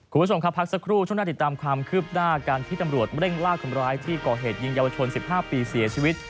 คุณผู้ชมครับพักสักครู่ช่วงหน้าติดตามความคืบหน้าการที่ตำรวจเร่งล่าคนร้ายที่ก่อเหตุยิงเยาวชน๑๕ปีเสียชีวิต